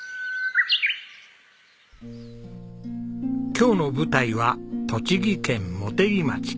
今日の舞台は栃木県茂木町。